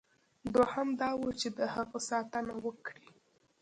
دوهم دا وه چې د هغه ساتنه وکړي.